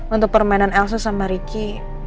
untuk permainan elsa sama ricky